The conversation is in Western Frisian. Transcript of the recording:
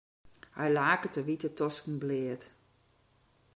Hy laket de wite tosken bleat.